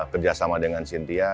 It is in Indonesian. kerjasama dengan sintia